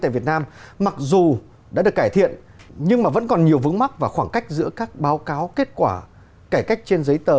vướng mắt và khoảng cách giữa các báo cáo kết quả kẻ cách trên giấy tờ